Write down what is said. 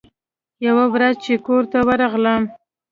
يوه ورځ چې کور ته ورغلم.